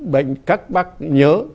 bệnh các bác nhớ